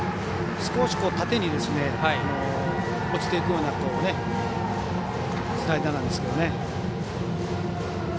少し、縦に落ちていくようなスライダーなんですよね。